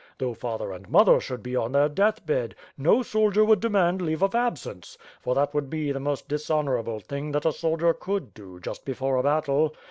Though father and mother should be on their deathbed, no soldier would demand leave of absence; for that would be the most dishonorable thing that a soldier could do, just before a battle.